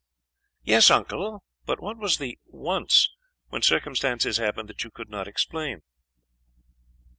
"Yes, uncle. But what was the 'once' when circumstances happened that you could not explain?"